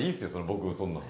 僕そんなん。